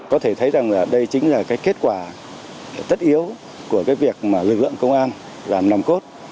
có thể thấy rằng đây chính là cái kết quả tất yếu của cái việc mà lực lượng công an làm nòng cốt